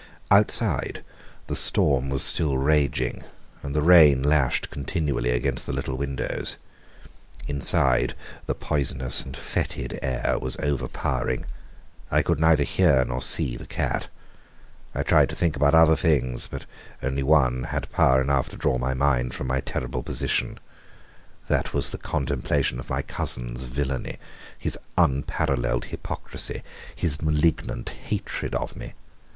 Outside, the storm was still raging, and the rain lashed continually against the little windows. Inside, the poisonous and fetid air was overpowering. I could neither hear nor see the cat. I tried to think about other things but only one had power enough to draw my mind from my terrible position. That was the contemplation of my cousin's villainy, his unparalleled hypocrisy, his malignant hatred of me.